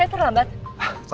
ya sekarang saya mengerti